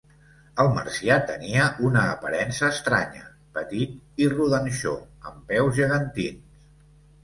El marcià tenia una aparença estranya: petit i rodanxó, amb peus gegantins.